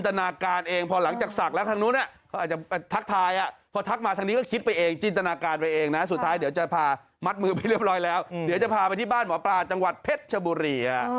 สัมผัสได้ว่าตรงนี้สกปกเพราะผมไม่ควรทำไว้